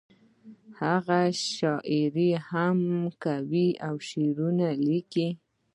هغه شاعري هم کوي او شعرونه لیکي